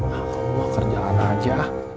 aku mau kerjaan aja